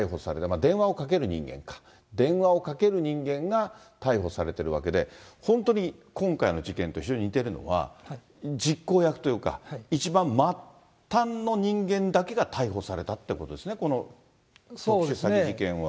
電話をかける人間か、電話をかける人間が逮捕されてるわけで、本当に今回の事件と非常に似てるのは、実行役というか、一番末端の人間だけが逮捕されたということですね、この特殊詐欺事件は。